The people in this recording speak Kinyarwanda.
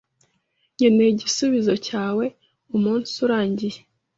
nkeneye igisubizo cyawe umunsi urangiye.